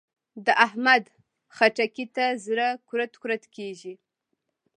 د احمد؛ خټکي ته زړه کورت کورت کېږي.